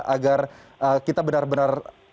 agar kita benar benar